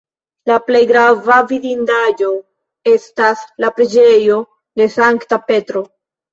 La plej grava vidindaĵo estas la preĝejo de Sankta Petro.